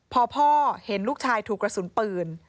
พอพ่อเห็นลูกชายถูกกระสุนปืน